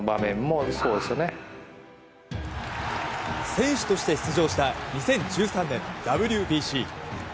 選手として出場した２０１３年、ＷＢＣ。